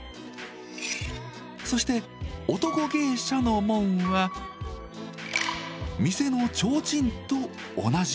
そして男芸者の紋は店のちょうちんと同じ。